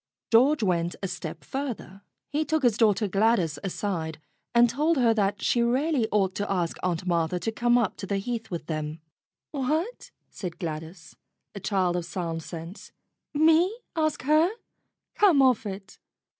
George went a step further. He took his daughter Gladys aside and told her that she really ought to ask Aunt Martha to come up to the Heath with them. "What?" said Gladys, a child of sound sense. "Me ask her? Come off it!"